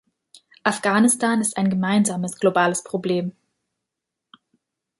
Afghanistan ist ein gemeinsames globales Problem.